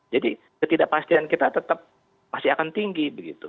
jadi ketidakpastian kita tetap masih akan tinggi